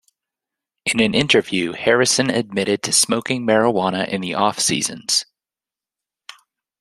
In an interview, Harrison admitted to smoking marijuana in the offseasons.